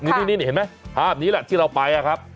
นี่เห็นไหมภาพนี้แหละที่เราไปอะครับ